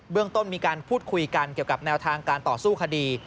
เรื่องต้นมีการพูดคุยกันเกี่ยวกับแนวทางการต่อสู้คดี